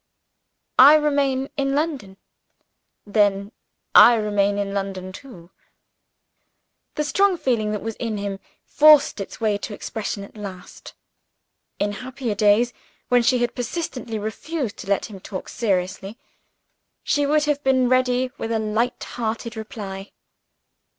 "I remain in London." "Then I remain in London, too." The strong feeling that was in him had forced its way to expression at last. In happier days when she had persistently refused to let him speak to her seriously she would have been ready with a light hearted reply.